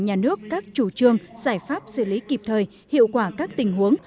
nhà nước các chủ trương giải pháp xử lý kịp thời hiệu quả các tình huống